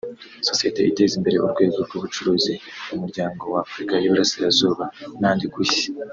sosiyete iteza imbere urwego rw’ubucuruzi mu muryango w’ Afurika y’Iburasirazuba n’ahandi ku isi